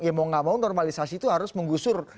ya mau nggak mau normalisasi itu harus menggusur